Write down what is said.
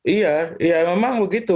iya ya memang begitu